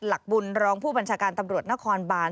หลักบุญรองผู้บัญชาการตำรวจนครบาน